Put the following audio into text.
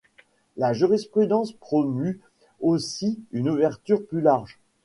La jurisprudence promeut aussi une ouverture plus large.